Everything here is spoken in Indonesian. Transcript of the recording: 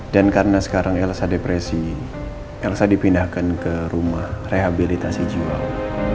dan karena sekarang elsa depresi elsa dipindahkan ke rumah rehabilitasi jiwa om